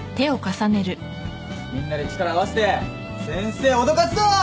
みんなで力合わせて先生おどかすぞ！